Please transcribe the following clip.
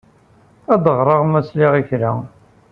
Ad d-ɣreɣ ma sliɣ i kra.